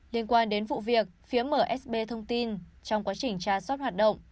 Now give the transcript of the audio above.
liên quan đến vụ việc phía msb thông tin trong quá trình tra soát hoạt động